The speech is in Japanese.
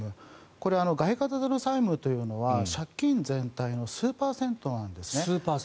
これは外貨建ての債務というのは借金全体の数パーセントなんですね。